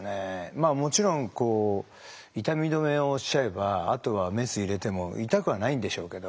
まあもちろん痛み止めをしちゃえばあとはメス入れても痛くはないんでしょうけど。